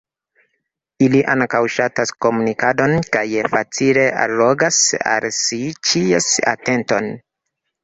Ili ankaŭ ŝatas komunikadon, kaj facile allogas al si ĉies atenton.